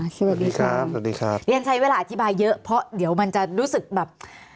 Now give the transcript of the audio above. สวัสดีครับสวัสดีครับเรียนใช้เวลาอธิบายเยอะเพราะเดี๋ยวมันจะรู้สึกแบบ